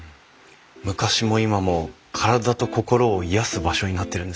昔も今も体と心を癒やす場所になってるんですね。